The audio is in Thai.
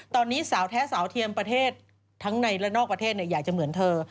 ตอนนี้สาวแท้สาวเทียมประเทศทั้งในและนอกประเทศอยากจะเหมือนเธอ